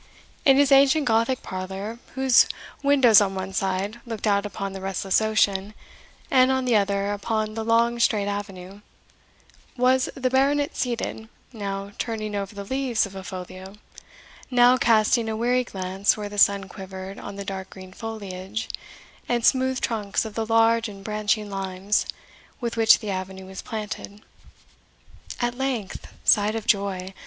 In his ancient Gothic parlour, whose windows on one side looked out upon the restless ocean, and, on the other, upon the long straight avenue, was the Baronet seated, now turning over the leaves of a folio, now casting a weary glance where the sun quivered on the dark green foliage and smooth trunks of the large and branching limes with which the avenue was planted. At length, sight of joy!